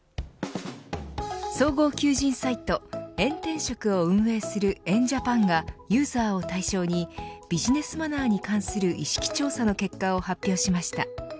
総合求人サイトエン転職を運営するエン・ジャパンがユーザーを対象にビジネスマナーに関する意識調査の結果を発表しました。